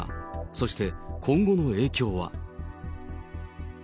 そして今後の影響は。